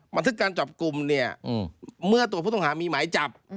บันทึกการจับกลุ่มเนี่ยเมื่อตัวผู้ต้องหามีหมายจับ